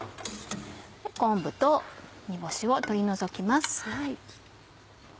昆布と煮干しを取り除きます。